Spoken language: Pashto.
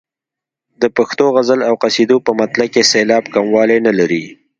د پښتو غزل او قصیدو په مطلع کې سېلاب کموالی نه لري.